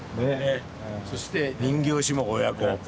そして人形師も親子。